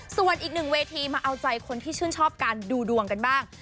ส่วนอีกหนึ่งเวทีมาเอาใจคนที่ชื่นชอบการดูดวงกันบ้าง